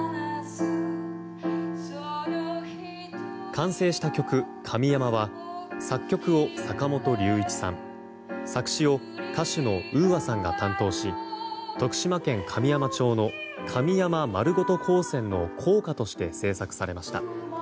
完成した曲「ＫＡＭＩＹＡＭＡ」は作曲を坂本龍一さん作詞を歌手のＵＡさんが担当し徳島県神山町の神山まるごと高専の校歌として制作されました。